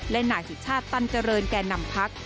และนายสิทธิชาติตันเจริญแก่นั่มภักดิ์